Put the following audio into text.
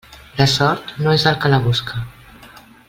La sort no és del que la busca.